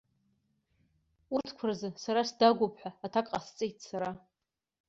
Урҭқәа рзы сара сдагәоуп ҳәа аҭак ҟасҵеит сара.